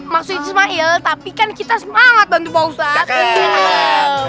maksudnya ismail tapi kan kita semangat bantu bau ustad